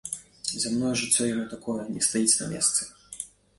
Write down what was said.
Зямное жыццё яно такое, не стаіць на месцы.